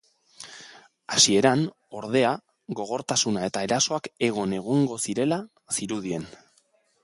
Hasieran, ordea, gogortasuna eta erasoak egon egongo zirela zirudien.